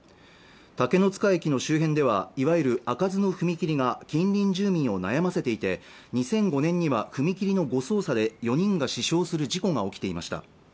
竹ノ塚駅の周辺ではいわゆる開かずの踏切が近隣住民を悩ませていて２００５年には踏切の誤操作で４人が死傷する事故が起きていました